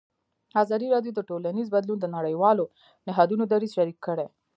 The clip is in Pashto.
ازادي راډیو د ټولنیز بدلون د نړیوالو نهادونو دریځ شریک کړی.